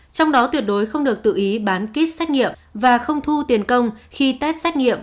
trong đó tuyệt đối không được tự ý bán kit xét nghiệm và không thu tiền công khi test xét nghiệm